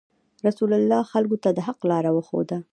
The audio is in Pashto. رسول الله خلکو ته د حق لار وښوده.